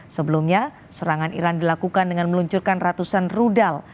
sebelumnya serangan iran dilakukan dengan meluncurkan ratusan rudal